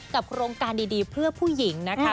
โครงการดีเพื่อผู้หญิงนะคะ